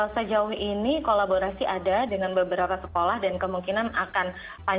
sejauh ini kolaborasi ada dengan beberapa sekolah dan kemungkinan akan panjang